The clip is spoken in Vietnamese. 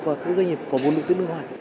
vào các doanh nghiệp có vốn nội tư nước ngoài